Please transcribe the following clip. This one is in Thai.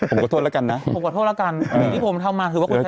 โอเคใช่ไหม